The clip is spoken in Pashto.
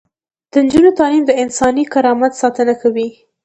د نجونو تعلیم د انساني کرامت ساتنه کوي.